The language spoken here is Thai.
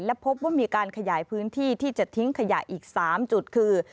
และพบว่ามีการขยายพื้นที่ที่จะทิ้งขยะอีก๓จุดคือ